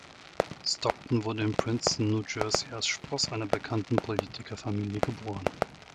Stockton wurde in Princeton, New Jersey als Spross einer bekannten Politikerfamilie geboren.